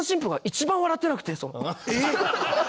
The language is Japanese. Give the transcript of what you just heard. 一番笑ってないの？